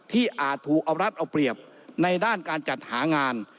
อาจถูกเอารัฐเอาเปรียบในด้านการจัดหางาน